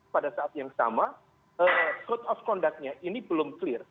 pada saat yang sama code of conduct nya ini belum clear